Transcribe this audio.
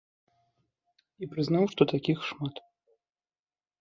І прызнаў, што такіх шмат.